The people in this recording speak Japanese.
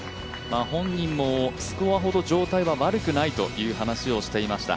本人もスコアほど状態は悪くないという話をしていました。